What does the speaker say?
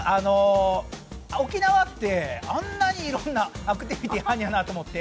沖縄って、あんなにいろんなアクティビティーあるんやなと思って。